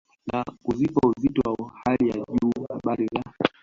na kuzipa uzito wa hali ya juu habari za